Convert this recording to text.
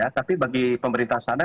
tapi bagi pemerintah sana